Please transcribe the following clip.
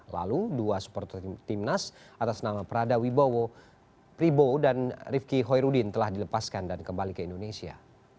lalu dua supporter timnas atas nama prada wibowo pribo dan rifki hoirudin telah dilepaskan dan kembali ke indonesia